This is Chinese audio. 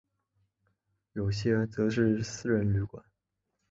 有些则是私人旅馆。